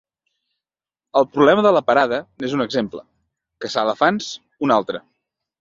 El problema de la parada n'és un exemple. Caçar elefants, un altre.